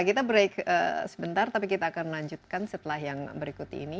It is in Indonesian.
kita break sebentar tapi kita akan melanjutkan setelah yang berikut ini